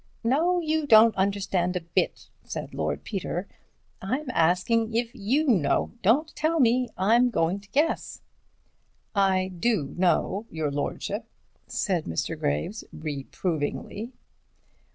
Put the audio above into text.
"No, you don't understand a bit," said Lord Peter. "I'm asking if you know—don't tell me, I'm going to guess." "I do know, your lordship," said Mr. Graves, reprovingly.